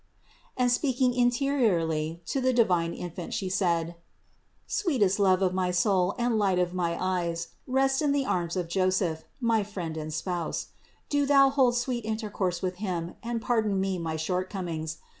And speaking interiorly to the divine In fant, She said : "Sweetest Love of my soul and Light of my eyes, rest in the arms of Joseph, my friend and spouse : do thou hold sweet intercourse with him and pardon me my shortcomings.